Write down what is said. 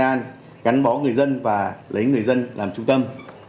chúng tôi sẽ đảm bảo người dân và lấy người dân làm trung tâm